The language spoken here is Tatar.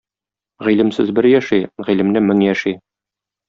Гыйлемсез бер яши, гыйлемле мең яши.